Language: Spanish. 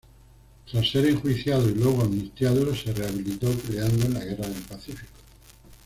Tras ser enjuiciado y luego amnistiado, se rehabilitó peleando en la guerra del Pacífico.